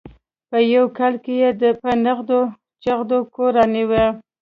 په یوه کال کې یې په نغدو چغدو کور رانیوه.